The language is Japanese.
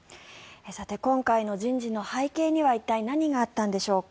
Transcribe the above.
今回の人事の背景には一体、何があったんでしょうか。